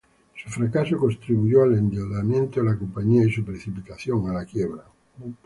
Su fracaso contribuyó al endeudamiento de la compañía y su precipitación a la quiebra.